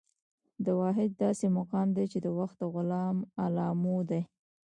دا واحد داسې مقام دى، چې د وخت د علامو دى